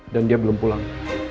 dan dia belum pulang